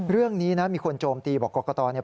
เรื่องนี้นะมีคนโจมตีบอกกรกตเนี่ย